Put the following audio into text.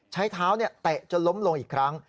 ใช้เท้าเตะจนล้มลงอีกครั้ง